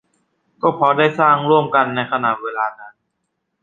ก็เพราะได้สร้างร่วมกันในขณะเวลานั้น